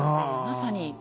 まさに。